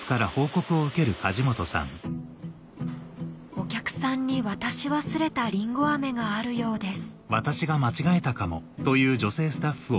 お客さんに渡し忘れたりんご飴があるようです